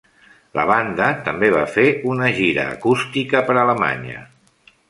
La banda també va fer una gira acústica per Alemanya.